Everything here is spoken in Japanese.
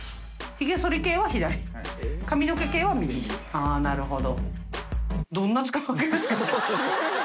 あっなるほど。